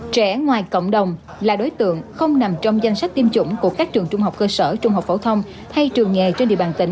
trẻ ngoài cộng đồng là đối tượng không nằm trong danh sách tiêm chủng của các trường trung học cơ sở trung học phổ thông hay trường nghề trên địa bàn tỉnh